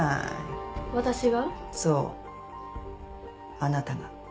あなたが。